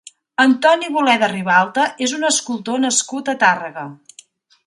Antoni Boleda Ribalta és un escultor nascut a Tàrrega.